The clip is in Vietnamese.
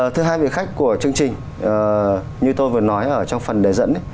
thứ hai vị khách của chương trình như tôi vừa nói trong phần đề dẫn